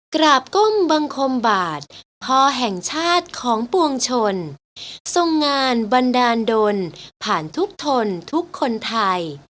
กราบก้มบังคมบาทพอแห่งชาติของปวงชนทรงงานบันดาลดนผ่านทุกทนทุกคนไทย